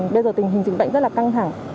bây giờ tình hình dịch bệnh rất là căng thẳng